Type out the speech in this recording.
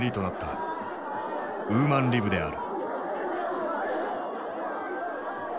ウーマンリブである。